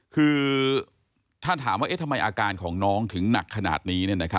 คือถ้าถามว่าทำไมอาการของน้องถึงหนักขนาดนี้